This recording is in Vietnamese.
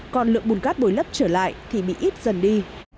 còn lượng bùn cát bồi lấp trở lại thì bị ít dần đi